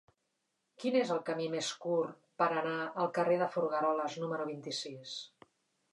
Quin és el camí més curt per anar al carrer de Folgueroles número vint-i-sis?